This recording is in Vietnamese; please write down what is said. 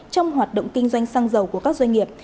trong hoạt động kinh doanh xăng dầu của các doanh nghiệp